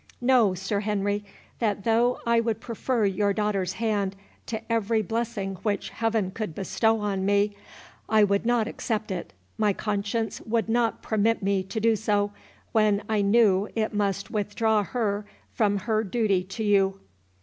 —Know, Sir Henry, that though I would prefer your daughter's hand to every blessing which Heaven could bestow on me, I would not accept it—my conscience would not permit me to do so, when I knew it must withdraw her from her duty to you."